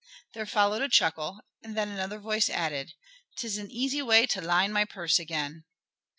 There followed a chuckle, and then another voice added: "'Tis an easy way to line my purse again."